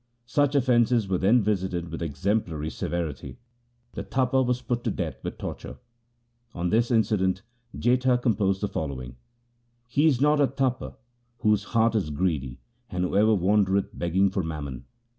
Such offences were then visited with exemplary severity. The Tapa was put to death with torture. On this incident Jetha composed the following :— He is not a Tapa whose heart is greedy and who ever wandereth begging for mammon.